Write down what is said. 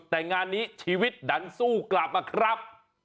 แต่งานนี้ชีวิตดันสู้กลับมาครับ